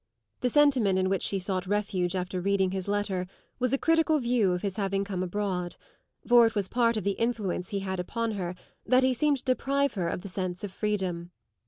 The sentiment in which she sought refuge after reading his letter was a critical view of his having come abroad; for it was part of the influence he had upon her that he seemed to deprive her of the sense of freedom.